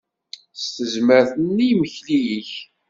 S tezmert n yimekli-ik.